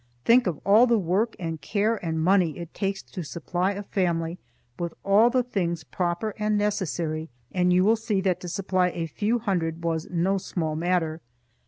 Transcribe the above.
Think of all the work and care and money it takes to supply a family with all the things proper and necessary, and you will see that to supply a few hundred was no small matter.